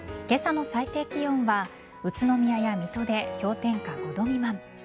今朝の最低気温は宇都宮や水戸で氷点下５度未満。